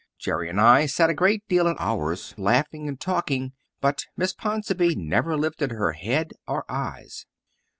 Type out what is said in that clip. Jerry and I sat a great deal at ours, laughing and talking, but Miss Ponsonby never lifted her head or eyes.